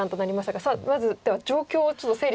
さあまずでは状況をちょっと整理しますと。